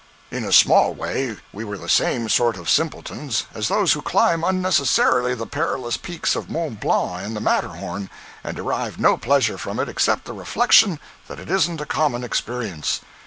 In a small way we were the same sort of simpletons as those who climb unnecessarily the perilous peaks of Mont Blanc and the Matterhorn, and derive no pleasure from it except the reflection that it isn't a common experience.